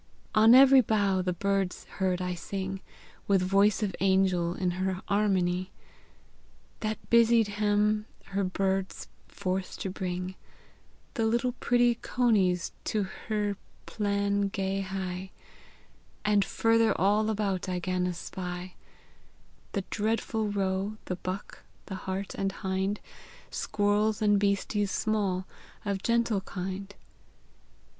On every bough the birdes heard I sing, With voice of angell, in hir armonie, That busied hem, hir birdes forth to bring, The little pretty conies to hir play gan hie, And further all about I gan espie, The dredeful roe, the buck, the hart, and hind, Squirrels, and beastes small, of gentle kind.